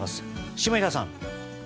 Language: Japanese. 下平さん。